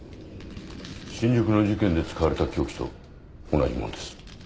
新宿の事件で使われた凶器と同じもんです。